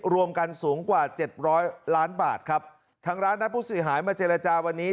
รวมกันสูงกว่าเจ็ดร้อยล้านบาทครับทางร้านนัดผู้เสียหายมาเจรจาวันนี้